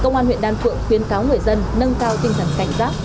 cơ quan huyện đan phượng khuyên cáo người dân nâng cao tinh thần cảnh giác